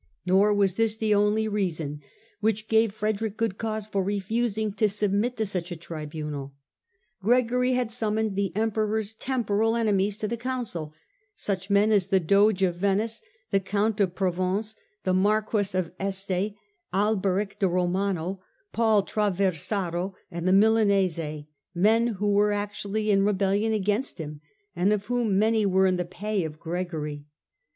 Nor was this the only reason which gave Frederick good cause for refusing to submit to such a tribunal. Gregory had summoned the Emperor's temporal enemies to the Council, such men as the Doge of Venice, the Count of Provence, the Marquess of Este, Alberic de Romano, Paul Traversaro, and the Milanese, men who were actually in rebellion against him, and of whom many were in the pay of Gregory.